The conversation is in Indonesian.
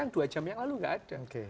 yang dua jam yang lalu gak ada